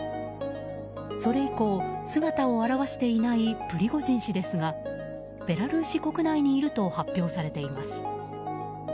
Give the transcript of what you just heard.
それ以降、姿を現していないプリゴジン氏ですがベラルーシ国内にいると発表されています。